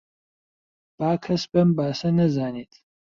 با کەس بەم باسە نەزانێت